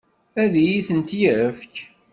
Ad iyi-ten-yefk?